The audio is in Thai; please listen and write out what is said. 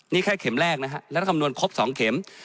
นี่แค่เข็มแรกนะฮะรัฐคำนวณครบ๒เข็ม